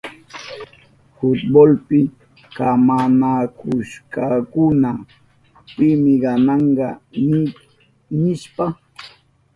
Fultbolpi kamanakushkakuna pimi gananka nishpa.